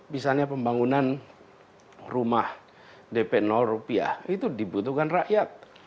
misalnya pembangunan rumah dp rupiah itu dibutuhkan rakyat